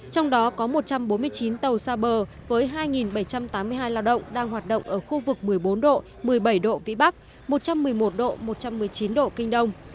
trong đó có một trăm bốn mươi chín tàu xa bờ với hai bảy trăm tám mươi hai lao động đang hoạt động ở khu vực một mươi bốn độ một mươi bảy độ vĩ bắc một trăm một mươi một độ một trăm một mươi chín độ kinh đông